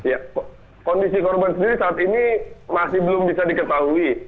ya kondisi korban sendiri saat ini masih belum bisa diketahui